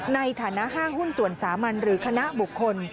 ในฐานะห้างหุ้นส่วนสามัญหรือคณะบุคคล